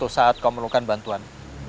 saat kamu perlukan bantuan